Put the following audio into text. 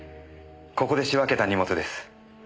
ここで仕分けた荷物です。